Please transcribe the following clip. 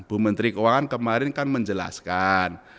bu menteri keuangan kemarin kan menjelaskan